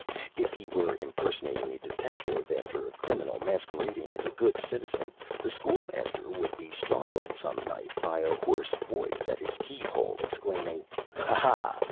If he were impersonating a detective after a criminal masquerading as a good citizen, the School Master would be startled some night by a hoarse voice at his key hole exclaiming: 'Ha! ha!